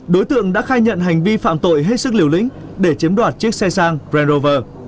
đối tượng đã khai nhận hành vi phạm tội hết sức liều lĩnh để chiếm đoạt chiếc xe sang branover